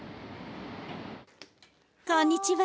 こんにちは。